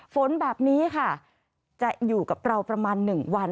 ฝนแบบนี้ค่ะจะอยู่กับเราประมาณ๑วัน